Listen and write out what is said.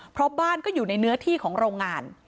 เพราะบ้านก็อยู่ในเนื้อที่ของโรงงาน